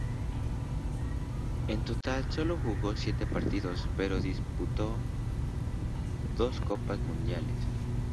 En total solo jugó siete partidos, pero disputó dos Copas mundiales.